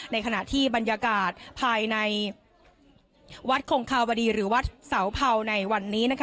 ในขณะที่บรรยากาศภายในวัดคงคาวดีหรือวัดเสาเผาในวันนี้นะคะ